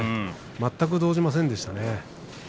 全く動じませんでしたね。